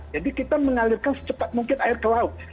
jadi kita mengalirkan secepat mungkin air ke laut